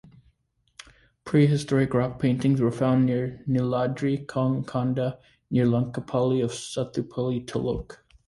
Prehistoric rock paintings were found near Neeladri konda near Lankapalli of Sathupally Taluk.